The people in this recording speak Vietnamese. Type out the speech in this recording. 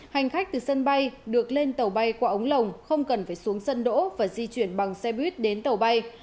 hành khách từ sân bay được lên tàu bay qua ống lồng không cần phải xuống sân đỗ và di chuyển bằng xe buýt đến tàu bay